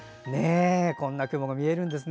こんな雲が見れるんですね。